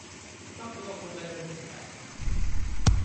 Laten we dat probleem even bekijken.